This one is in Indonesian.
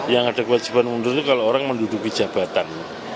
yang ada kewajiban mundur itu kalau orang menduduki jabatan